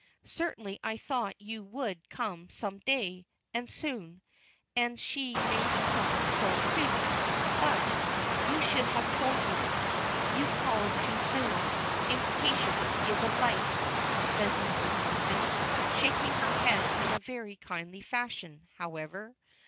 Certainly I thought you would come some day, and soon, and she may have thought so, too, but you should have told me. You called too soon. Impatience is a vice," says Mrs. Monkton, shaking her head in a very kindly fashion, however.